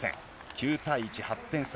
９対１、８点差。